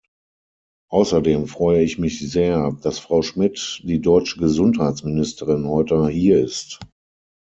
Außerdem freue ich mich sehr, dass Frau Schmidt, die deutsche Gesundheitsministerin, heute hier ist.